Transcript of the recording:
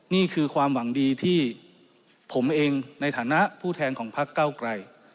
นี่คือความหวังดีที่ผมเองในฐานะผู้แทนของพักเก้าไกล